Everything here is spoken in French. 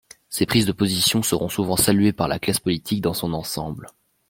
Ces prises de position seront souvent saluées par la classe politique, dans son ensemble.